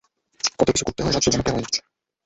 কত কিছু করতে হয়, রাজ্য বানাতে হয়।